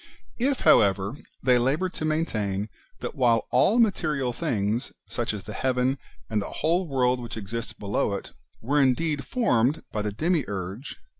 If, however, they labour to maintain that, while all material things, such as the heaven, and the wdiole world which exists below it, were indeed formed by the Demiurge, Book il] IREN^US AGAINST HERESIES.